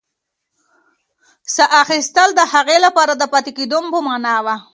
ساه اخیستل د هغې لپاره د پاتې کېدو په مانا وه.